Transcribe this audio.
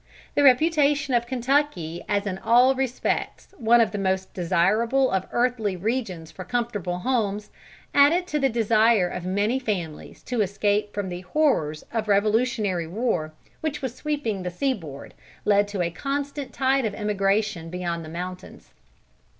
The reputation of Kentucky as in all respects one of the most desirable of earthly regions for comfortable homes, added to the desire of many families to escape from the horrors of revolutionary war, which was sweeping the sea board, led to a constant tide of emigration beyond the mountains.